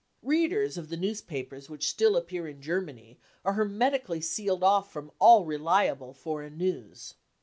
Readers of the newspapers which still appear in Germany are hermetically sealed off from all reliable foreign news.